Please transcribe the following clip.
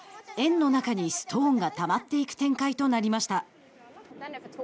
円の中にストーンがたまっていく展開となりました。